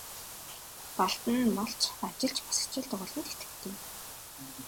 Балдан нь малч, ажилч, бас хичээл дугуйланд идэвхтэй.